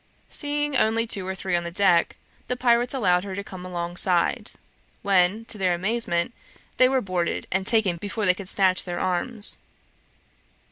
Seeing only two or three on deck, the pirates allowed her to come alongside; when, to their amazement, they were boarded and taken before they could snatch their arms.